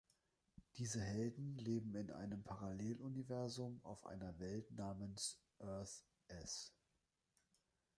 Diese Helden leben in einem Paralleluniversum auf einer Welt namens Earth-S.